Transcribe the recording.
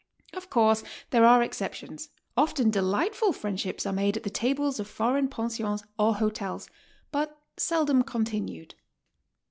Of course, there are exceptions; often delightful friendships are made at the tables of foreign pensions or hotels, but seldom continued.